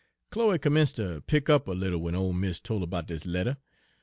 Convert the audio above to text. Chloe 'mence' ter pick up a little w'en ole mis' tol' her 'bout dis letter.